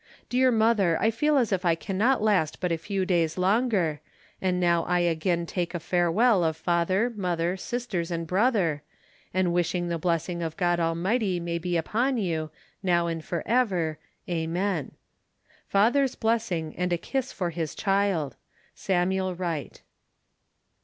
Dear mother, I feel as if I cannot last but a few days longer, and now I again take a farewell of father, mother, sisters, and brother, and wishing the blessing of God Almighty may be upon you, now and for ever, amen. "Father's blessing and a kiss for his child. "SAMUEL WRIGHT."